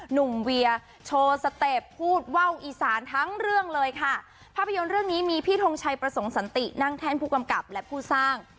เวียโชว์สเต็ปพูดว่าวอีสานทั้งเรื่องเลยค่ะภาพยนตร์เรื่องนี้มีพี่ทงชัยประสงค์สันตินั่งแท่นผู้กำกับและผู้สร้าง